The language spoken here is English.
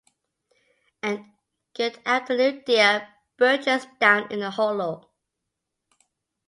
And good afternoon dear birches down in the hollow.